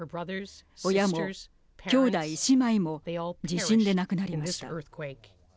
親も兄弟姉妹も地震で亡くなりました。